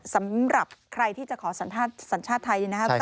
สำหรับใครที่จะขอสัญชาติไทยนะครับ